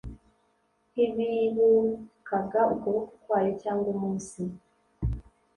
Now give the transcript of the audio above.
ntibibukaga ukuboko kwayo cyangwa umunsi